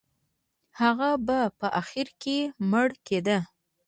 هغه به په اخر کې مړ کېده.